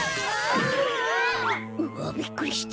うわっびっくりした。